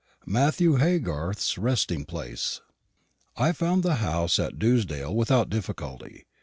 MATTHEW HAYGARTH'S RESTING PLACE. I found the house at Dewsdale without difficulty.